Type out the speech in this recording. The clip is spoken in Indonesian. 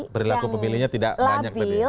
berlaku pemilihnya tidak banyak